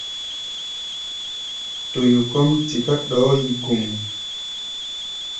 Toyo kɔ́ʼm tiká ɗɔɔ́ yi gum.